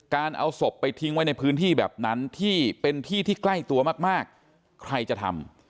เอาศพไปทิ้งไว้ในพื้นที่แบบนั้นที่เป็นที่ที่ใกล้ตัวมากใครจะทำ